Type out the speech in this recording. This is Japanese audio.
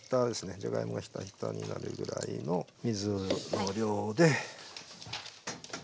じゃがいもがヒタヒタになるぐらいの水の量で。